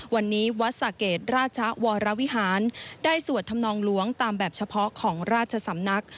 วันนี้วัดสะเกดราชวรวิหารได้สวดธรรมนองหลวงตามแบบเฉพาะของราชสำนัก